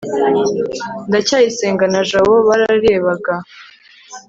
ndacyayisenga na jabo bararebaga